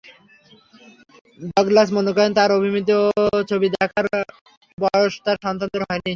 Douglas মনে করেন, তাঁর অভিনীত ছবি দেখার বয়স তাঁর সন্তানদের হয়নি।